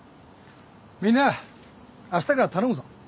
みんなあしたから頼むぞ。